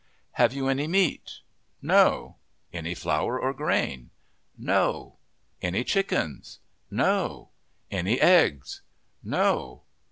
"Have you any meat?" "No." "Any flour or grain?" "No." "Any chickens?" "No." "Any eggs?" "No."